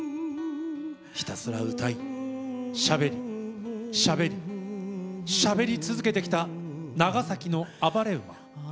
ひたすら歌いしゃべりしゃべりしゃべり続けてきた長崎の暴れ馬。